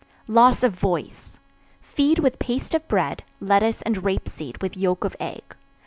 Loss of Voice. Feed with paste of bread, lettuce and rape seed with yoke of egg.